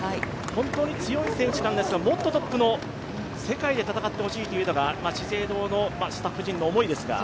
本当に強い選手なんですが、もっとトップの世界で戦ってほしいというのが資生堂のスタッフ陣の思いですが。